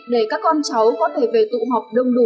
để các con cháu có thể về tụ học đông đủ